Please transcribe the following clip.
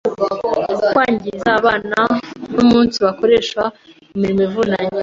kwangiza abana no umunsibakoresha imirimo ivunanye